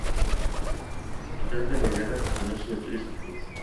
En mitad de la guerra, continuó sus estudios en París.